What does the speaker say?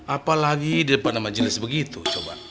apalagi di depan majelis begitu coba